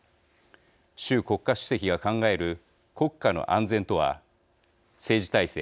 習国家主席が考える国家の安全とは政治体制